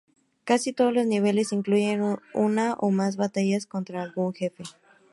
Casi todos los niveles incluyen una o más batallas contra algún jefe.